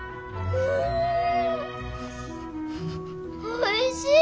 おいしい！